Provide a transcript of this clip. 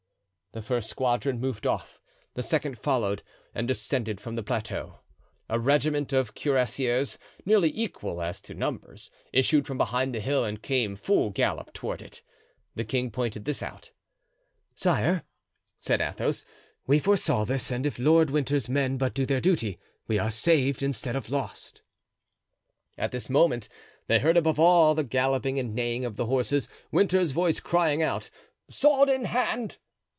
The first squadron moved off; the second followed, and descended from the plateau. A regiment of cuirassiers, nearly equal as to numbers, issued from behind the hill and came full gallop toward it. The king pointed this out. "Sire," said Athos, "we foresaw this; and if Lord Winter's men but do their duty, we are saved, instead of lost." At this moment they heard above all the galloping and neighing of the horses Winter's voice crying out: "Sword in hand!"